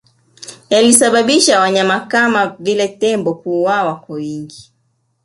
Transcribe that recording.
Yalisababisha wanyama kama vile tembo kuuawa kwa wingi